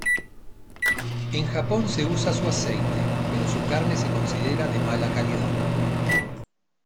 En Japón se usa su aceite, pero su carne se considera de mala calidad.